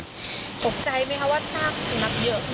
ตกใจไหมคะว่าซากสุนัขเยอะ